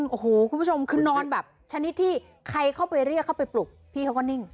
โอ้โหคุณผู้ชมคือนอนแบบชนิดที่ใครเข้าไปเรียกเข้าไปปลุกพี่เขาก็นิ่ง